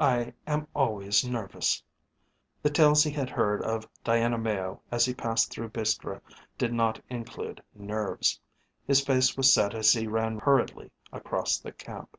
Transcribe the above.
"I am always nervous." The tales he had heard of Diana Mayo as he passed through Biskra did not include nerves. His face was set as he ran hurriedly across the camp.